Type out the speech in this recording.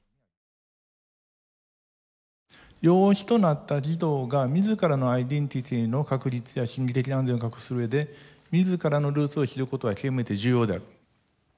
「養子となった児童が自らのアイデンティティの確立や心理的安定を確保する上で自らのルーツを知ることは極めて重要である」。